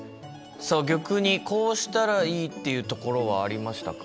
さあ逆にこうしたらいいっていうところはありましたか？